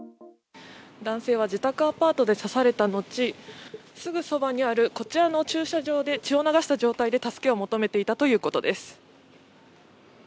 男性は自宅アパートで刺された後すぐそばにある駐車場で血を流した状態で助けを求めていたということです。